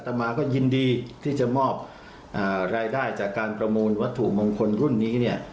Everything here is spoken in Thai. มาก็ยินดีที่จะมอบรายได้จากการประมูลวัตถุมงคลรุ่นนี้เนี่ย